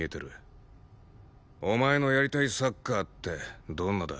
お前のやりたいサッカーってどんなだ？